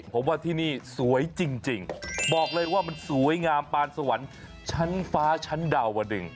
ผมว่าที่นี่สวยจริงบอกเลยว่ามันสวยงามปานสวรรค์ชั้นฟ้าชั้นดาวดึง